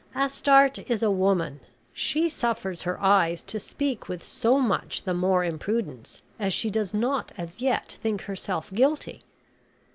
Astarte is a woman: she suffers her eyes to speak with so much the more imprudence, as she does not as yet think herself guilty.